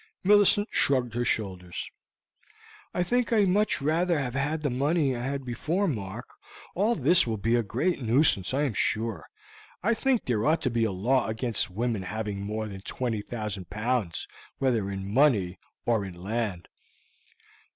Millicent shrugged her shoulders. "I think I would much rather have had just the money I had before, Mark; all this will be a great nuisance, I am sure. I think there ought to be a law against women having more than 20,000 pounds, whether in money or in land."